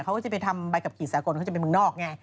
เขาก็จะไปทำใบขับขี่สากลเขาจะไปเมืองนอกไง